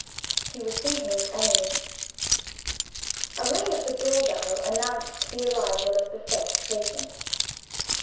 He was thinking of Emily. A ring at the door bell announced the arrival of the first patient.